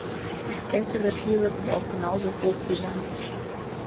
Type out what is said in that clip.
Ältere Tiere sind oft genau so hoch wie lang.